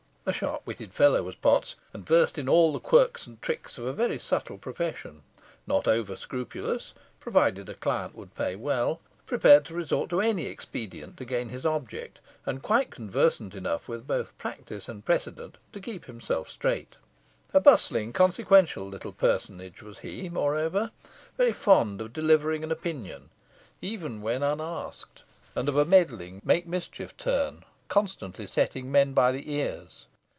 A sharp witted fellow was Potts, and versed in all the quirks and tricks of a very subtle profession not over scrupulous, provided a client would pay well; prepared to resort to any expedient to gain his object, and quite conversant enough with both practice and precedent to keep himself straight. A bustling, consequential little personage was he, moreover; very fond of delivering an opinion, even when unasked, and of a meddling, make mischief turn, constantly setting men by the ears.